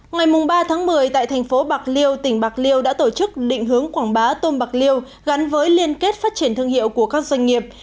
ngày ba tháng một mươi tại thành phố bạc liêu tỉnh bạc liêu đã tổ chức định hướng quảng bá tôm bạc liêu gắn với liên kết phát triển thương hiệu của các doanh nghiệp